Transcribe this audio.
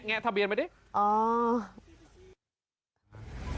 ง่ะทะเบียนเป็นไม่ดี